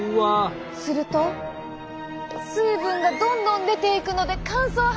すると水分がどんどん出ていくので乾燥肌に。